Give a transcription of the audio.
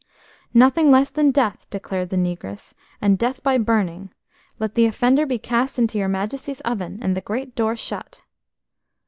"Nothing less than death," declared the negress, "and death by burning. Let the offender be cast into your Majesty's oven, and the great door shut."